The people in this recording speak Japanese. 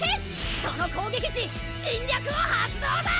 その攻撃時侵略を発動だ！